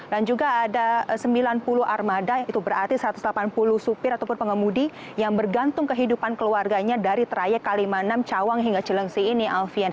dan juga ada sembilan puluh armada itu berarti satu ratus delapan puluh supir ataupun pengemudi yang bergantung kehidupan keluarganya dari trayek k lima enam cawang hingga cilengsi ini alfian